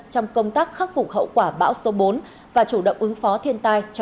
trong công tác khắc phục hậu quả bão số bốn và chủ động ứng phó thiên tai cho